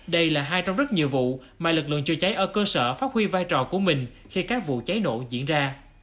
đây là hai trong rất nhiều vụ mà lực lượng chữa cháy ở cơ sở phát huy vai trò của mình khi các vụ cháy nổ diễn ra